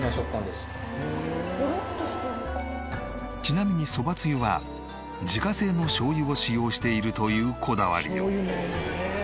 ちなみにそばつゆは自家製の醤油を使用しているというこだわりよう。